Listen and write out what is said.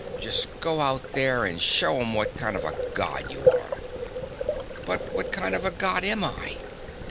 Just go out there and show 'em what kind of a God you are." "But what kind of a God am I?"